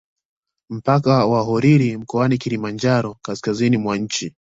Mpaka wa Holili mkoani Kilimanjaro kaskazizini mwa nchi